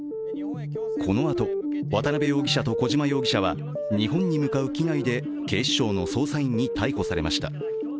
このあと、渡辺容疑者と小島容疑者は日本に向かう機内で警視庁の捜査員に逮捕されました。